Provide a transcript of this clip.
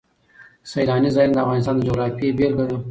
سیلانی ځایونه د افغانستان د جغرافیې بېلګه ده.